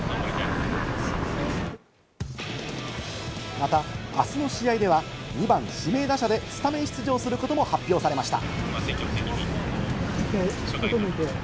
またあすの試合では２番・指名打者でスタメン出場することも発表されました。